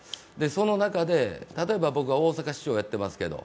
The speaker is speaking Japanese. その中で、例えば僕は大阪市長やってますけど